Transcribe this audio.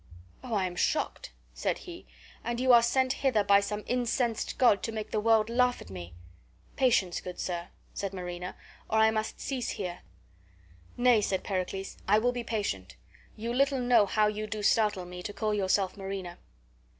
"Oh, I am mocked," said he, "and you are sent hither by some incensed god to make the world laugh at me." "Patience, good sir," said Marina, "or I must cease here." "Na@," said Pericles, "I will be patient. You little know how you do startle me, to call yourself Marina."